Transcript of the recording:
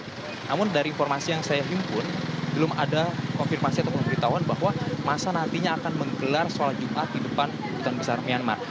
namun dari informasi yang saya himpun belum ada konfirmasi atau pemberitahuan bahwa masa nantinya akan menggelar sholat jumat di depan duta besar myanmar